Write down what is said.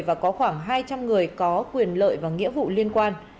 và có khoảng hai trăm linh người có quyền lợi và nghĩa vụ liên quan